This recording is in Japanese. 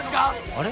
あれ？